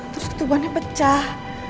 terus ketubuhannya pecah